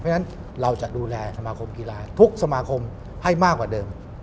เพราะฉะนั้นเราจะดูแลสมาคมกีฬาทุกสมาคมให้มากกว่าเดิม